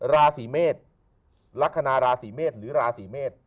ราศีเมษลักษณะราศีเมษหรือราศีเมษ